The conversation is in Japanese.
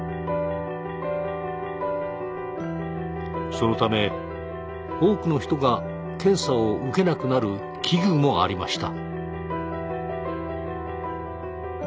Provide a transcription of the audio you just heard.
そのため多くの人が検査を受けなくなる危惧もありました。